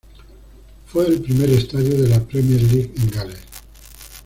Fue el primer estadio de la Premier League en Gales.